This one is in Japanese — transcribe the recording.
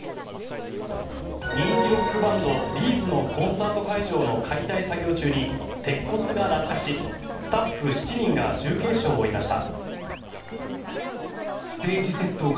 人気ロックバンドＢ’ｚのライブのコンサート会場で鉄骨が落下し、スタッフ７人が重軽傷を負いました。